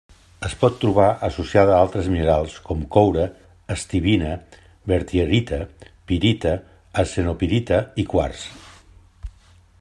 Es pot trobar associada a altres minerals, com coure, estibina, berthierita, pirita, arsenopirita i quars.